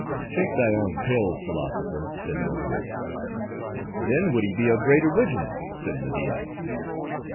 "Take thy own pills, philosopher," said Mohi. "Then would he be a great original," said Media.